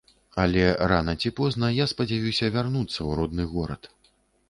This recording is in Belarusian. Але рана ці позна я спадзяюся вярнуцца ў родны горад.